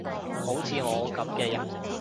好似我噉嘅人